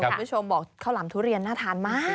คุณผู้ชมบอกข้าวหลามทุเรียนน่าทานมาก